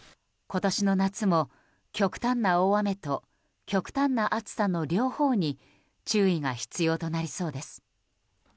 今年の夏も極端な大雨と極端な暑さの両方に注意が必要となりそうです。